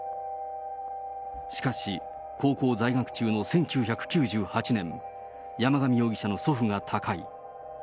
しかし、高校在学中の１９９８年、山上容疑者の祖父が他界。